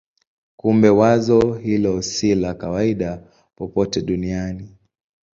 Kumbe wazo hilo si la kawaida popote duniani.